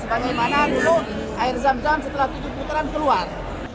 sebagai mana dulu air zam zam setelah tujuh puteran keluar